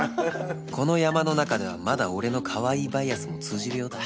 この山の中ではまだ俺のかわいいバイアスも通じるようだ